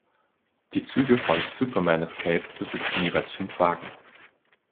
Die Züge von "Superman Escape" besitzen jeweils fünf Wagen.